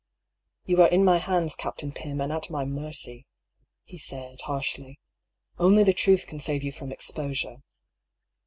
"You are in my hands. Captain Pym, and at my mercy," he said, harshly. " Only the truth can save you from exposure.